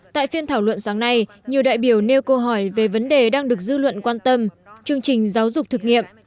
tại phiên thảo luận sáng nay nhiều đại biểu nêu câu hỏi về vấn đề đang được dư luận quan tâm chương trình giáo dục thực nghiệm